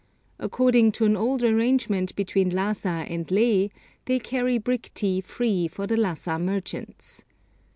According to an old arrangement between Lhassa and Leh, they carry brick tea free for the Lhassa merchants.